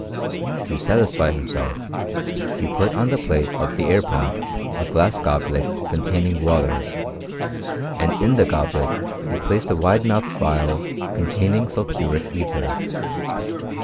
To satisfy ^Jnself, he put on the plate of the air pump a glass SX)blet containing water; and in the goblet he placed a ^ide mouthed phial containing sulphuric ether.